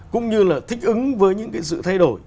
cũng như là thích ứng với những cái sự thay đổi